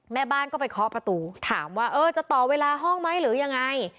แม่บ้านก็ไปเคาะประตูถามว่าเออจะต่อเวลาห้องไหมหรือยังไง